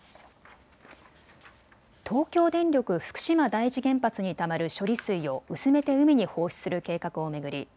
東京電力福島第一原発にたまる処理水を薄めて海に放出する計画を巡り